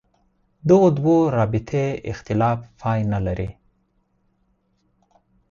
دغو دوو رابطې اختلاف پای نه لري.